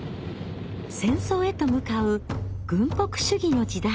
戦争へと向かう軍国主義の時代。